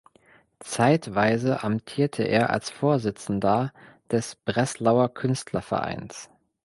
Zeitweise amtierte er als Vorsitzender des "Breslauer Künstlervereins".